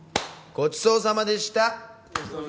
ごちそうさまでした。